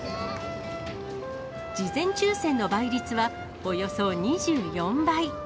事前抽せんの倍率は、およそ２４倍。